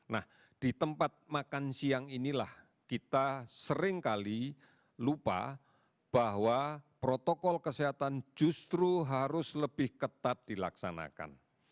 nah di tempat makan siang inilah kita seringkali lupa bahwa protokol kesehatan justru harus lebih ketat dilaksanakan